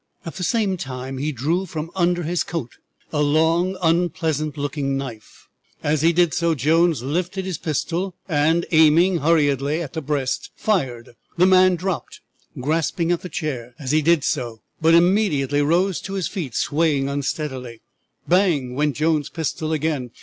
At the same time he drew from under his coat a long, unpleasant looking knife. As he did so Jones lifted his pistol, and, aiming hurriedly at the breast, fired. The man dropped, grasping at the chair as he did so, but immediately rose to his feet, swaying unsteadily. Bang! went Jones' pistol again.